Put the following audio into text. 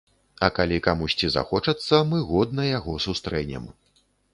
А калі камусьці захочацца, мы годна яго сустрэнем.